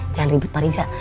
jangan ribet pak riza